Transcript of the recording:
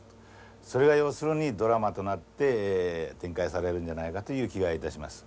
それが要するにドラマとなって展開されるんじゃないかという気がいたします。